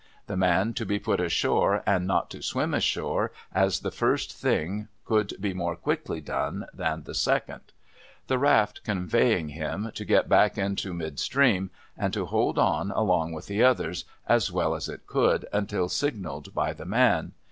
The man to be put ashore, and not to swim ashore, as the first thing could be more quickly done than the second. The raft conveying him, to get back into mid stream, and to hold on along with the Other, as well as it could, until signalled by the man.